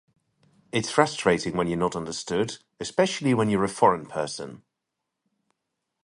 It's frustrating when you're not understood — especially when you're a foreign person.